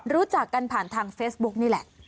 รู้จักกันผ่านทางเฟซบุ๊กนี่แหละ